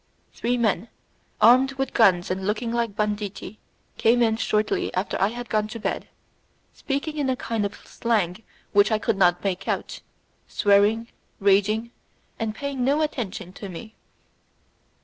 Three men, armed with guns and looking like banditti, came in shortly after I had gone to bed, speaking a kind of slang which I could not make out, swearing, raging, and paying no attention to me.